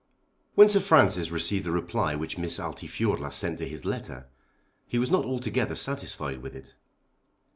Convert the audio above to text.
When Sir Francis received the reply which Miss Altifiorla sent to his letter, he was not altogether satisfied with it.